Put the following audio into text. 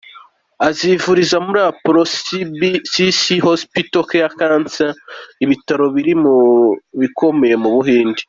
Azivuriza muri Apollo Cbcc Hospital Cancer Care, ibitaro biri mu bikomeye mu Buhinde.